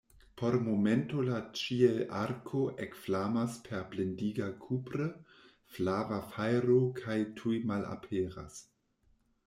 Por momento la ĉielarko ekflamas per blindiga kupre flava fajro kaj tuj malaperas.